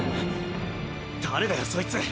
誰だよそいつ。